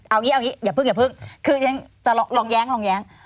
เอาอย่างนี้อย่าผึ้งคือจะลองแย้ง